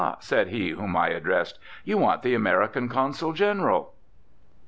said he whom I addressed, "you want the American Consul General."